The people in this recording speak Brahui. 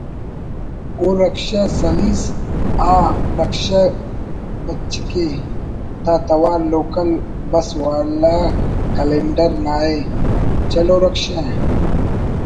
”اُو رکشہ سَلِس“ ……”آ……رکشہ بچکے“ (دا توار لوکل بس ولا کلینڈرناءِ) ……”چَلو رکشہ“ ……